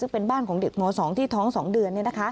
ซึ่งเป็นบ้านของเด็กม๒ที่ท้อง๒เดือน